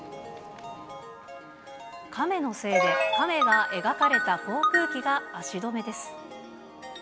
カメのせいで、カメが描かれた航空機が足止めです。